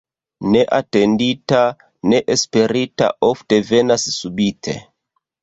Ne atendita, ne esperita ofte venas subite.